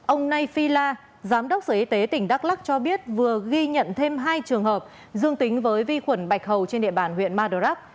ông nay phi la giám đốc sở y tế tỉnh đắk lắc cho biết vừa ghi nhận thêm hai trường hợp dương tính với vi khuẩn bạch hầu trên địa bàn huyện madurak